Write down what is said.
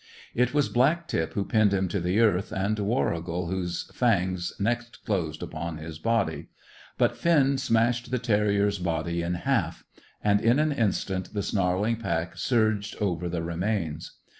It was Black tip who pinned him to the earth, and Warrigal whose fangs next closed upon his body. But Finn smashed the terrier's body in half; and, in an instant, the snarling pack surged over the remains.